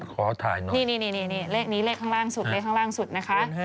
ขอถ่ายหน่อยนี่เลขนี้เลขข้างล่างสุดเลขข้างล่างสุดนะคะ